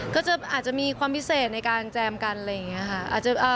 อาจจะมีความพิเศษในการแจมกันอะไรอย่างนี้ค่ะ